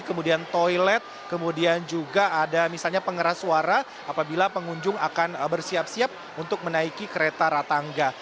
kemudian toilet kemudian juga ada misalnya pengeras suara apabila pengunjung akan bersiap siap untuk menaiki kereta ratangga